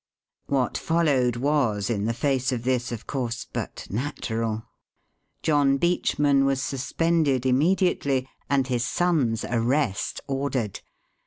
What followed was, in the face of this, of course, but natural. John Beachman was suspended immediately, and his son's arrest ordered.